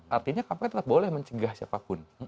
artinya kpk tetap boleh mencegah siapapun